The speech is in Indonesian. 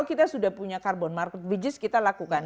itu adalah yang kita lakukan